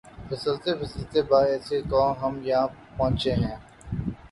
پھسلتے پھسلتے بحیثیت قوم ہم یہاں پہنچے ہیں۔